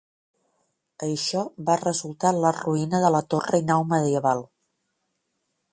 Això va resultar en la ruïna de la torre i nau medieval.